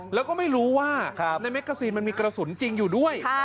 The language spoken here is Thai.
แล้วก็ไม่รู้ว่าในแกซีนมันมีกระสุนจริงอยู่ด้วย